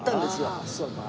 ああそうか。